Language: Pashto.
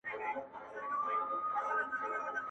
او تر سپين لاس يې يو تور ساعت راتاو دی.